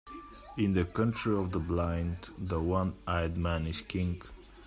In the country of the blind, the one-eyed man is king.